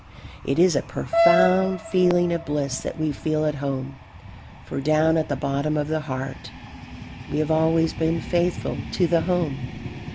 It is a profound feeling of bliss that we feel at home, for down at the bottom of the heart we have always been faithful to the home.